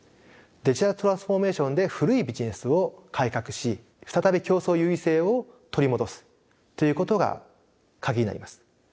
デジタルトランスフォーメーションで古いビジネスを改革し再び競争優位性を取り戻すということがカギになります。